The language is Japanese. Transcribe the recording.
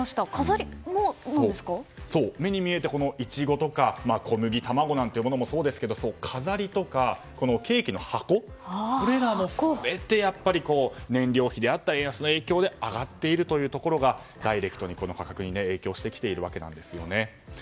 目に見えているイチゴとか小麦卵なんていうものもそうですが飾りやケーキの箱それらも含めて円安の影響で上がっているところがダイレクトに価格に影響してきているんですね。